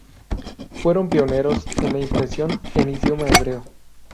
Fueron pioneros en la impresión en idioma hebreo.